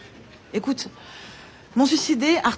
えっ？